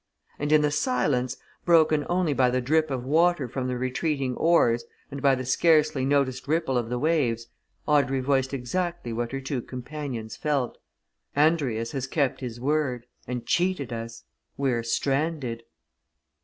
And in the silence, broken only by the drip of water from the retreating oars, and by the scarcely noticed ripple of the waves, Audrey voiced exactly what her two companions felt. "Andrius has kept his word and cheated us! We're stranded!"